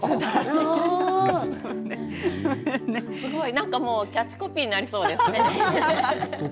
何かキャッチコピーになりそうですね。